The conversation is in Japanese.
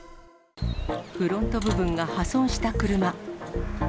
フロント部分が破損した車。